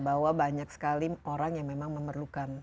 bahwa banyak sekali orang yang memang memerlukan